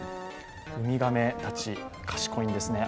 ウミガメたち、賢いんですね。